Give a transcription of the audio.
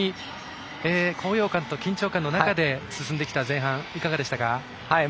高揚感と緊張感の中で進んできた前半いかがですか？